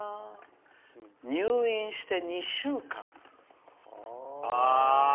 入院して２週間。